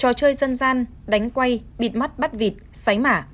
trò chơi dân gian đánh quay bịt mắt bắt vịt sáy mả